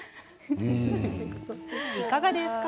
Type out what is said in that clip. いかがですか？